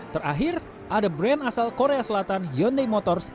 terakhir ada brand asal korea selatan hyundai motors